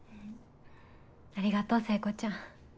ありがとう聖子ちゃん。